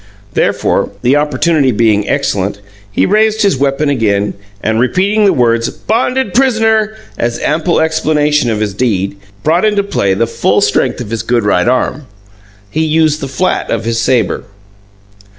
Therefore, the opportunity being excellent, he raised his weapon again, and, repeating the words "bonded pris'ner" as ample explanation of his deed, brought into play the full strength of his good right arm. He used the flat of the sabre.